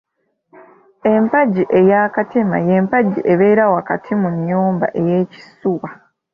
Empagi eya Katema y'empagi ebeera wakati mu nnyumba ey’ekisuuwa.